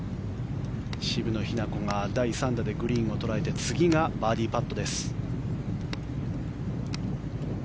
渋野日向子が第３打でグリーンを捉えて次がバーディーパットです。